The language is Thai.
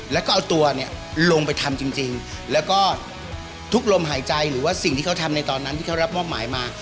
แล้วก็เอาตัวเนี่ยลงไปทำจริงแล้วก็ทุกลมหายใจหรือว่าสิ่งที่เขาทำในตอนนั้นที่เขารับมอบหมายมา